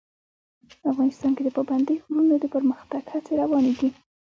افغانستان کې د پابندي غرونو د پرمختګ هڅې روانې دي.